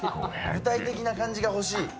具体的な感じが欲しい。